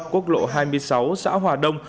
quốc lộ hai mươi sáu xã hòa đông